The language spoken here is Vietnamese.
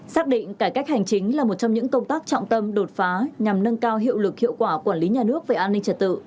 xác định cải cách hành chính là một trong những công tác trọng tâm đột phá nhằm nâng cao hiệu lực hiệu quả quản lý nhà nước về an ninh trật tự